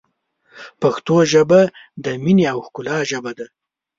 پښتو ژبه ، د مینې او ښکلا ژبه ده.